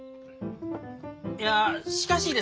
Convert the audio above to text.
いやしかしですね